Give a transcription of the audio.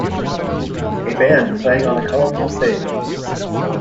A band playing on a colorful stage.